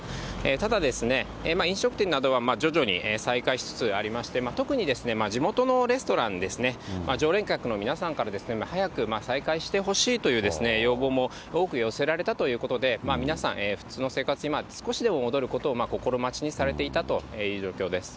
ただ、飲食店などは徐々に再開しつつありまして、特に地元のレストランですね、常連客の皆さんから、早く再開してほしいという要望も多く寄せられたということで、皆さん、普通の生活に、少しでも戻ることを心待ちにされていたという状況です。